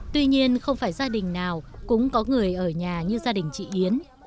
tuy nhiên không phải gia đình nào cũng có người ở nhà như gia đình chị yến